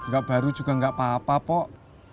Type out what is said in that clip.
gak baru juga nggak apa apa pok